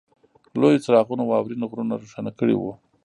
لویو څراغونو واورین غرونه روښانه کړي وو